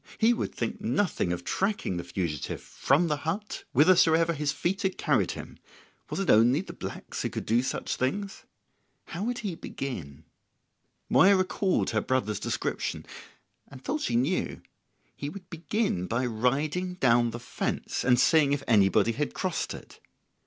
He would think nothing of tracking the fugitive from the hut whithersoever his feet had carried him; was it only the blacks who could do such things? How would he begin? Moya recalled her brother's description, and thought she knew. He would begin by riding down the fence, and seeing if anybody had crossed it.